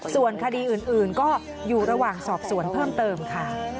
ส่วนคดีอื่นก็อยู่ระหว่างสอบสวนเพิ่มเติมค่ะ